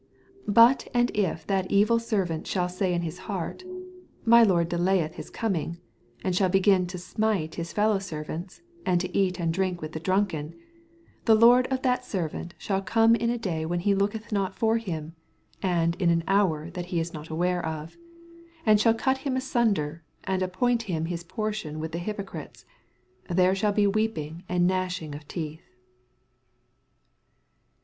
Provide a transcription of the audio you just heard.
48 Bat and if that evil servant shall Bay in his heart, My lord delayeth his oominff ; 49 And shall heein to smite Me feUow servanta, and to eat and drink with the drunken ; I 60 The lord of that servant thaJk come in a day when he looketh not for kim, and in an hour that \m is not aware of, 61 And shall cut him nsnnder, and appoint him his portion with the hypocrites: there shall be weeping and gnaahing of teeth.